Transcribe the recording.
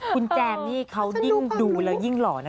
คุณแจมนี่เขายิ่งดูแล้วยิ่งหล่อนะ